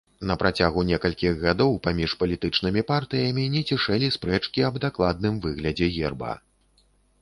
На працягу некалькіх гадоў паміж палітычнымі партыямі не цішэлі спрэчкі аб дакладным выглядзе герба.